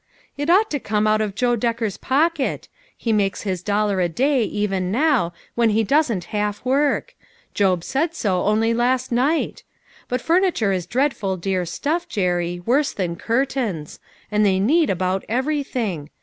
" It ought to come out of Joe Decker's pocket. He makes his dollar a day, even now, when he doesn't half work ; Job said so only last nisrht. But furniture is dreadful dear stuff, O * Jerry, worse than curtains. And they need about everything.